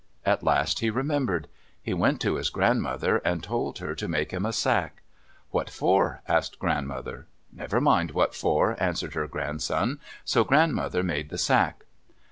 At last he remembered. He went to his grandmother and told her to make him a sack. "What for?" asked grandmother. "Never mind what for," answered her grandson. So Grandmother made the sack.